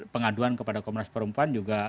pengaduan kepada komnas perempuan juga